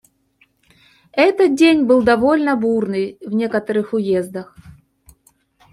Этот день был довольно бурный в некоторых уездах.